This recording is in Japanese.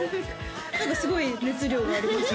何かすごい熱量がありますね